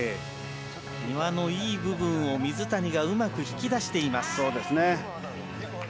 丹羽のいい部分を水谷がうまく引き出しています。